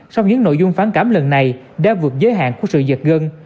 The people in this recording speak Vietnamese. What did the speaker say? sau những nội dung phản cảm lần này đã vượt giới hạn của sự giật gân